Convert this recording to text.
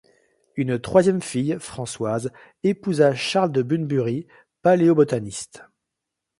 Une troisième fille, Françoise, épousa Charles de Bunbury, paléobotaniste.